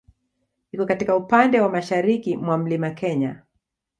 Iko katika upande wa mashariki mwa Mlima Kenya.